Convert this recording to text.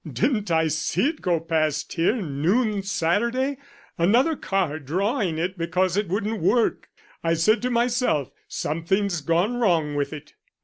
"Didn't I see it go past here noon Saturday another car drawing it because it wouldn't work. I said to myself, something's gone wrong with it."